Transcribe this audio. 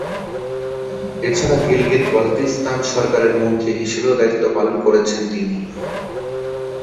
এছাড়া, গিলগিত-বালতিস্তান সরকারের মন্ত্রী হিসেবেও দায়িত্ব পালন করেছেন তিনি।